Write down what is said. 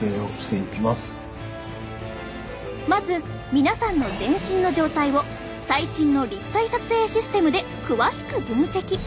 まず皆さんの全身の状態を最新の立体撮影システムで詳しく分析。